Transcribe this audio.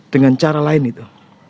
dengan cara lain itu